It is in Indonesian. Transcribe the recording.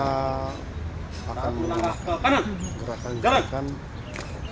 untuk hari ini kita akan menggunakan gerakan jalan kanan